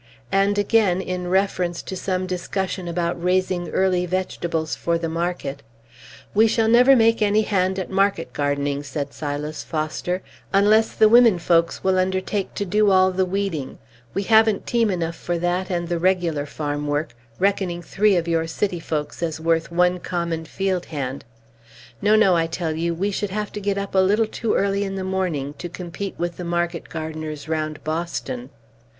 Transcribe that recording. And again, in reference to some discussion about raising early vegetables for the market: "We shall never make any hand at market gardening," said Silas Foster, "unless the women folks will undertake to do all the weeding. We haven't team enough for that and the regular farm work, reckoning three of your city folks as worth one common field hand. No, no; I tell you, we should have to get up a little too early in the morning, to compete with the market gardeners round Boston."